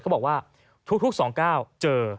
เขาบอกว่าทุกสองก้าวเจอ